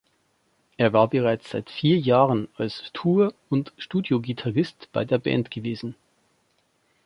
Er war bereits seit vier Jahren als Tour- und Studiogitarrist bei der Band gewesen.